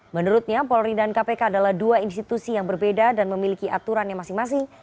menurutnya polri dan kpk adalah dua institusi yang berbeda dan memiliki aturan yang masing masing